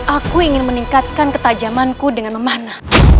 aku ingin meningkatkan ketajamanku dengan memanah